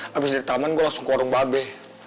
habis dari taman gue langsung ke warung babe